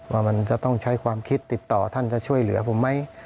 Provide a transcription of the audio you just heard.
ว่ามันจะต้องใช้ความคิดติดต่อท่านจะช่วยเหลือผมไหม